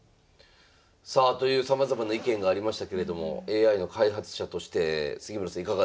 さあというさまざまな意見がありましたけれどもＡＩの開発者として杉村さんいかがですか？